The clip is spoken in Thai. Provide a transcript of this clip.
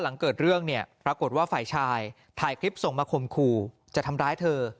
หลังเกิดเรื่องเนี่ยปรากฏว่าฝ่ายชายถ่ายคลิปส่งมาข่มขู่จะทำร้ายเธอ